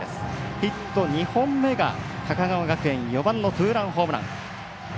ヒット２本が高川学園のツーランホームラン。